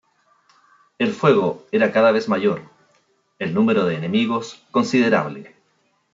El fuego era cada vez mayor, el número de enemigos considerable.